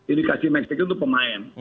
indikasi max picking untuk pemain